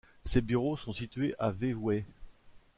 Ses bureaux sont situés à Vevey.